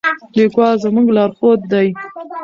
لیکوال زموږ لارښود دی.